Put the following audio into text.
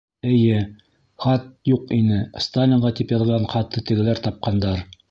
Эйе, хат юҡ ине, Сталинға тип яҙған хатты тегеләр тапҡандар.